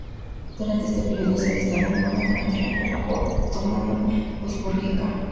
Durante este periodo, se alistó en la armada durante la Guerra otomano-hasbúrgica.